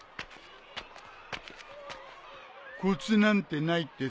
コツなんてないってさ。